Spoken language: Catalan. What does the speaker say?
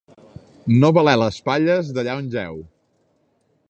No valer les palles d'allà on jeu.